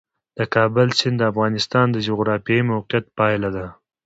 د کابل سیند د افغانستان د جغرافیایي موقیعت پایله ده.